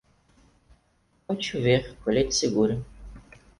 Pode chover, colheita segura.